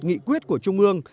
nghị quyết của trung ương